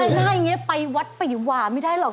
ง่ายอย่างนี้ไปวัดปิวาไม่ได้หรอก